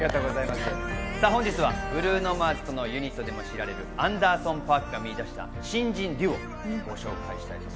本日はブルーノ・マーズのユニットでも知られるアンダーソン・パークが見出した新人デュオをご紹介します。